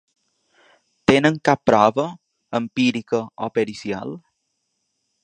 Tenen cap prova empírica o pericial?